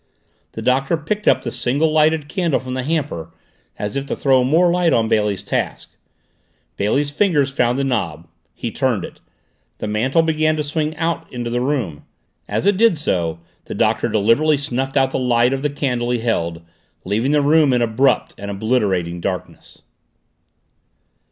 The Doctor picked up the single lighted candle from the hamper, as if to throw more light on Bailey's task. Bailey's fingers found the knob. He turned it. The mantel began to swing out into the room. As it did so the Doctor deliberately snuffed out the light of the candle he held, leaving the room in abrupt and obliterating darkness.